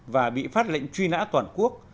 và bị phát lệnh truy nã toàn quốc